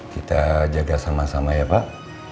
kita jaga sama sama ya pak